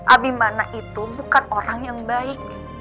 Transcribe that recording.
abimana itu bukan orang yang baik